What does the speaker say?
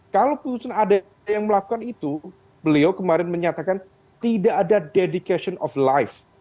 kalau putusan ada yang melakukan itu beliau kemarin menyatakan tidak ada dedication of life